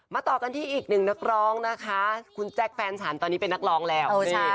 ต่อกันที่อีกหนึ่งนักร้องนะคะคุณแจ๊คแฟนฉันตอนนี้เป็นนักร้องแล้ว